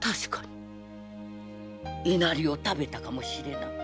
稲荷を食べたかもしれない。